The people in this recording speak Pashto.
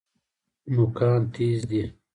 نوکان تیز دي.